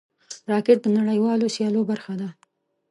راکټ د نړیوالو سیالیو برخه ده